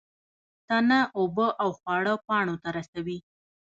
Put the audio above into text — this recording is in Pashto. تنه اوبه او خواړه پاڼو ته رسوي